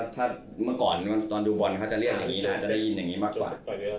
ถ้าเมื่อก่อนตอนดูบอลเขาจะเรียกอย่างนี้นะจะได้ยินอย่างนี้มากกว่า